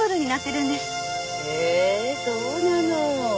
へえそうなの。